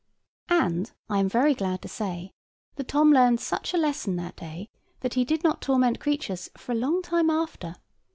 And I am very glad to say, that Tom learned such a lesson that day, that he did not torment creatures for a long time after.